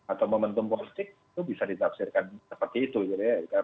atau momentum politik itu bisa ditafsirkan seperti itu gitu ya pak surya paro